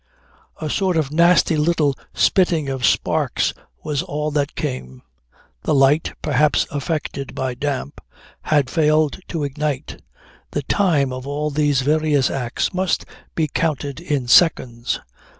A sort of nasty little spitting of sparks was all that came. The light (perhaps affected by damp) had failed to ignite. The time of all these various acts must be counted in seconds.